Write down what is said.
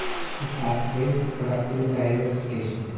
It has great productive diversification.